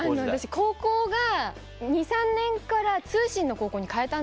高校が２３年から通信の高校に変えたんですよ。